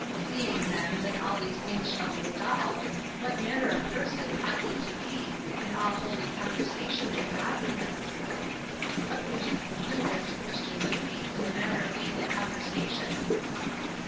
'Seeing, then, that all these things shall be dissolved, what manner of person ought ye to be, in all holy conversation and godliness?' What should you conclude as to Christian duty in the matter of daily conversation?"